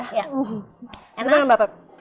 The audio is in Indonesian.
terima kasih mbak put